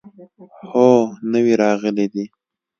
هو، نوي راغلي دي